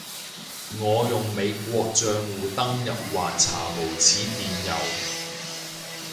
我用美國帳戶登入話查無此電郵